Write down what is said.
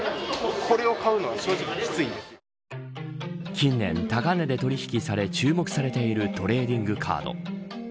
近年、高値で取り引きされ注目されているトレーディングカード。